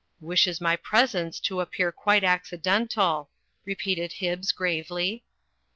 'Wishes my presence to appear quite accidental," repeated Hlbbs, gravely.